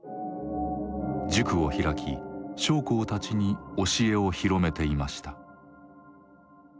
塾を開き将校たちに教えを広めていました。